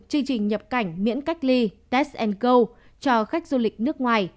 chương trình nhập cảnh miễn cách ly test go cho khách du lịch nước ngoài